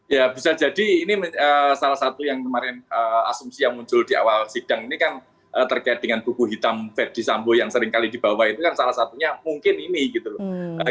ya bisa jadi ini salah satu yang kemarin asumsi yang muncul di awal sidang ini kan terkait dengan buku hitam verdi sambo yang seringkali dibawa itu kan salah satunya mungkin ini gitu loh